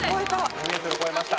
２ｍ超えました。